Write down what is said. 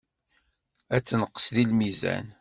Ad tenqes deg lmizan.